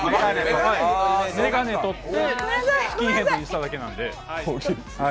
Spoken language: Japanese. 眼鏡取って、スキンヘッドにしただけなって。